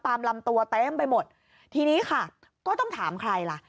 ตามลำตัวเต็มไปหมดทีนี้ค่ะก็ต้องถามใครล่ะ